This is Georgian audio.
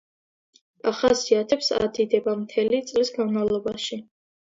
ახასიათებს ადიდება მთელი წლის განმავლობაში.